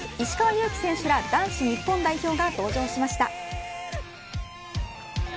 冒険王に石川祐希選手ら男子日本代表が登場しました。